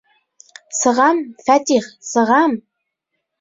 Сығам, Фәтих, сығам!